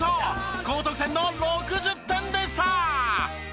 高得点の６０点でした。